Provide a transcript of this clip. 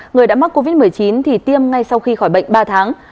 người đã mắc covid một mươi chín thì tiêm ngay sau khi khỏi bệnh ba tháng